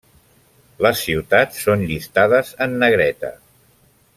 Les ciutats són llistades en negreta.